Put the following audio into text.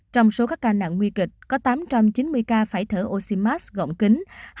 trong số các ca nặng nguy kịch có tám trăm chín mươi ca phải thở oxymasc gọn kính